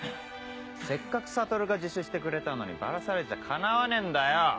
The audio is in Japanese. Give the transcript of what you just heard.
せっかく悟が自首してくれたのにバラされちゃかなわねえんだよ。